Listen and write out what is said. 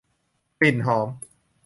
กลิ่นหอม